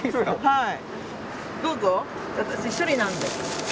はい。